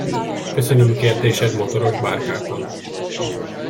Köszönöm kérdésed, motoros bárkákon.